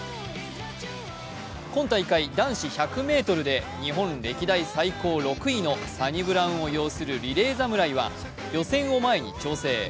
今大会男子１００ｍで日本歴代最高６位のサニブラウンを擁するリレー侍は予選を前に調整。